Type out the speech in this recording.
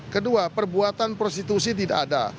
kedua perbuatan prostitusi tidak ada